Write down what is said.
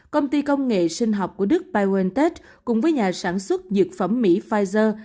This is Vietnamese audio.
công ty công nghệ sinh học của đức biontech cùng với nhà sản xuất dược phẩm mỹ pfizer